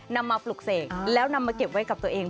นำมาปลุกเสกแล้วนำมาเก็บไว้กับตัวเอง